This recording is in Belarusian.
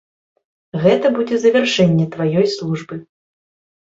Гэта будзе завяршэнне тваёй службы.